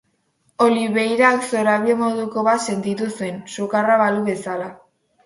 Oliveirak zorabio moduko bat sentitu zuen, sukarra balu bezala.